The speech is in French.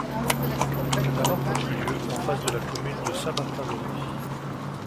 La rencontre eut lieu en face de la commune de Saint-Martin-de-Ré.